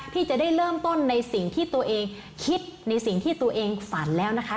ที่จะได้เริ่มต้นในสิ่งที่ตัวเองคิดในสิ่งที่ตัวเองฝันแล้วนะคะ